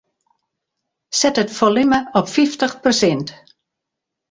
Set it folume op fyftich persint.